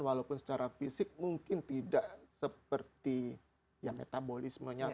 walaupun secara fisik mungkin tidak seperti metabolismenya